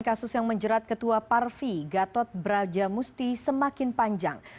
kasus yang menjerat ketua parvi gatot brajamusti semakin panjang